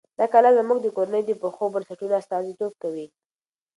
دا کلا زموږ د کورنۍ د پخو بنسټونو استازیتوب کوي.